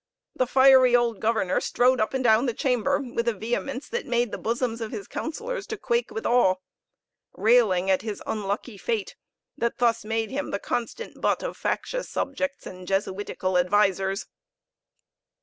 The fiery old governor strode up and down the chamber with a vehemence that made the bosoms of his councillors to quake with awe; railing at his unlucky fate, that thus made him the constant butt of factious subjects and jesuitical advisers.